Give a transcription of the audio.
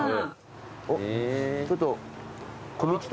おっちょっと。